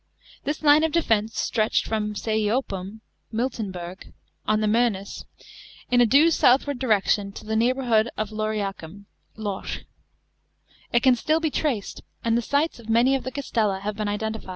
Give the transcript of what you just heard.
This line of defence stretched from Seiopnm (Miltenberg) on the Mcenus, in a due southward direc tion to the neighbourhood of Lauriacum (Lorch) *; it can still be traced, and the sites of many of the castella have been identified.